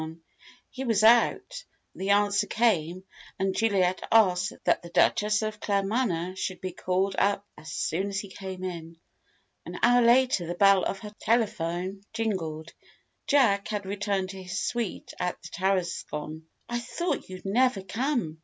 He was out, the answer came, and Juliet asked that the Duchess of Claremanagh should be called up as soon as he came in. An hour later the bell of her telephone jingled. Jack had returned to his suite at the Tarascon. "I thought you'd never come!"